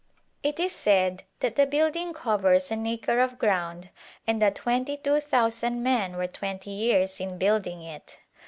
It is said that the building covers an acre of ground and that twenty two thousand men were twenty years in building it.